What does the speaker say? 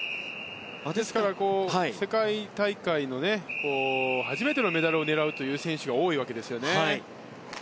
ですから、世界大会の初めてのメダルを狙うという選手が多いわけですよね。